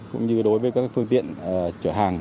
cũng như đối với các phương tiện chở hàng